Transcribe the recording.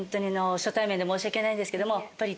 初対面で申し訳ないんですけどもやっぱり。